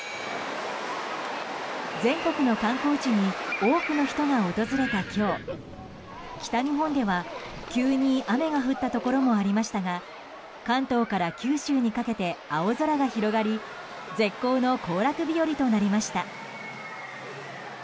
全国の観光地に多くの人が訪れた今日北日本では急に雨が降ったところもありましたが関東から九州にかけて青空が広がり絶好の行楽日和となりました。